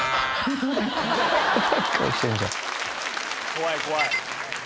怖い怖い。